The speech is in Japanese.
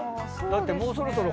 だってもうそろそろ。